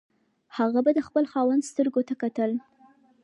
هغه به د خپل خاوند سترګو ته کتل.